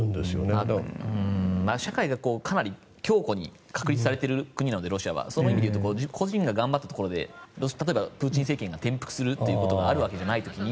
ロシアは社会がかなり強固に確立されている国なのでその意味で言うと個人が頑張ったところで例えばプーチン政権が転覆することがあるわけじゃない時に。